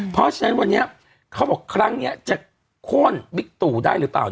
เพราะฉะนั้นวันนี้เขาบอกครั้งนี้จะโค้นบิ๊กตู่ได้หรือเปล่า